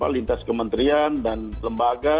lintas kementerian dan lembaga